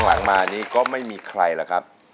จากมานี้ก็ไม่มีใครละครับ